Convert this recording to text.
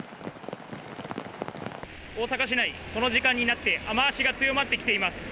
大阪市内、この時間になって、雨足が強まってきています。